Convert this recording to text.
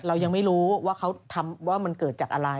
เรายังไม่รู้ว่าเขาทำว่ามันเกิดจากอะไร